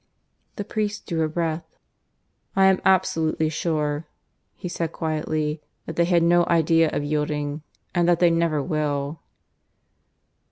The priest drew a breath. "I am absolutely sure," he said quietly, "that they had no idea of yielding, and that they never will."